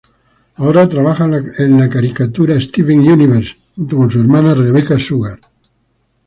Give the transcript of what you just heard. Ahora trabaja en la caricatura Steven Universe junto con su hermana Rebecca Sugar.